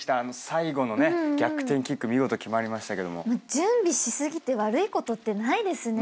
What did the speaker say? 準備し過ぎて悪いことってないですね。